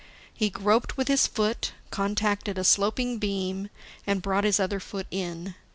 He groped with his foot, contacted a sloping beam, and brought his other foot in.